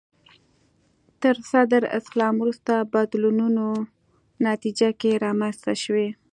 تر صدر اسلام وروسته بدلونونو نتیجه کې رامنځته شوي